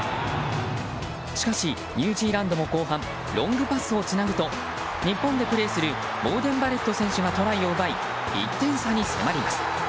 しかし、ニュージーランドも後半ロングパスをつなぐと日本でプレーするボーデン・バレット選手がトライを奪い１点差に迫ります。